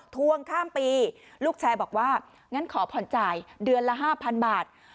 ทวงข้ามปีลูกชายบอกว่างั้นขอผ่อนจ่ายเดือนละ๕๐๐๐บาท